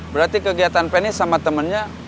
berarti kegiatan penny sama temennya